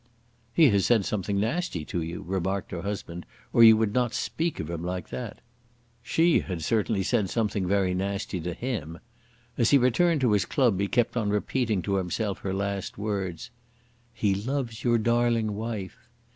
"He has said something nasty to you," remarked her husband, "or you would not speak of him like that." She had certainly said something very nasty to him. As he returned to his club he kept on repeating to himself her last words; "He loves your darling wife."